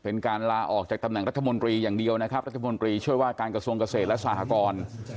เป็นการลาออกจากตำแหน่งรัฐมนตรีอย่างเดียวนะครับรัฐมนตรีช่วยว่าการกระทรวงเกษตรและสหกร